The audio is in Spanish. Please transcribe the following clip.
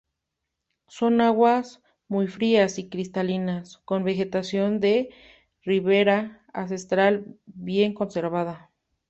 Son aguas muy frías y cristalinas, con vegetación de ribera ancestral bien conservada.